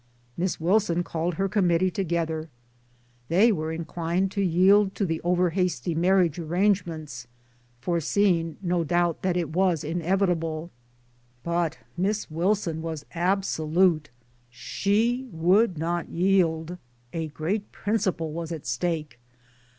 Miss Wilson called' her committee together. UNIVERSITY EXTENSION '83; They were inclined to yield to the over hasty marriage arrangement foreseeing no doubt that it was inevit able. But Miss Wilson was absolute. She would not yield a great principle was at stake.